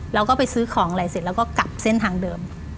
เราก็ไปซื้อของอะไรเสร็จแล้วก็กลับเส้นทางเดิม